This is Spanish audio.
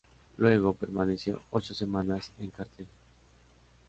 Luego, permaneció ocho semanas en cartel.